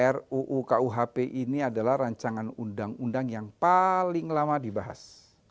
ruu kuhp ini adalah rancangan undang undang yang paling lama dibahas